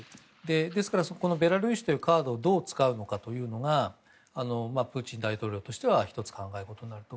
ですから、ベラルーシというカードをどう使うのかがプーチン大統領としては１つ、考え事になると。